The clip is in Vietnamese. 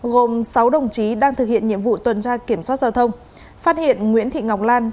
gồm sáu đồng chí đang thực hiện nhiệm vụ tuần tra kiểm soát giao thông phát hiện nguyễn thị ngọc lan